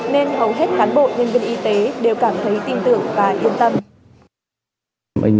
nên hầu hết cán bộ nhân viên y tế